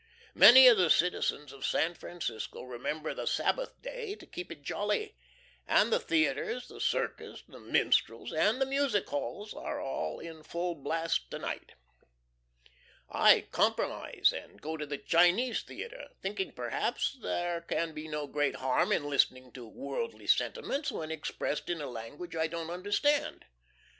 Many of the citizens of San Francisco remember the Sabbath day to keep it jolly; and the theatres, the circus, the minstrels, and the music halls are all in full blast to night. I "compromise," and go to the Chinese theatre, thinking perhaps there can be no great harm in listening to worldly sentiments when expressed in a language I don't understand.